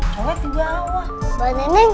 kau gak tahu